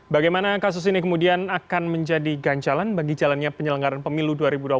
bagaimana kasus ini kemudian akan menjadi ganjalan bagi jalannya penyelenggaran pemilu dua ribu dua puluh empat